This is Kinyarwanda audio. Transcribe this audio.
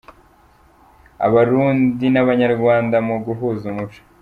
Abarundi n’Abanyarwanda mu guhuza umuco